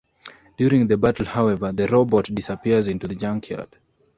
During the battle however, the robot disappears into the junkyard.